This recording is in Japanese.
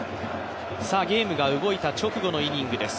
ゲームが動いた直後のイニングです。